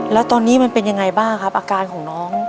แล้วตอนนี้มันเป็นยังไงบ้างครับอาการของน้อง